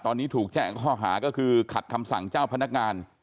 ตอนนี้ถูกแจ้งข้อหาก็คือขัดคำสั่งเจ้าพนักงาน